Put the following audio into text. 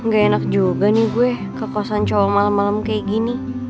gak enak juga nih gue ke kosan cowok malam kayak gini